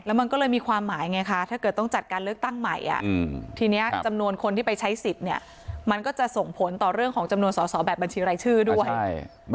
และมันก็เลยมีความหมายไงคะถ้าเกิดต้องจัดการเลือกตั้งใหม่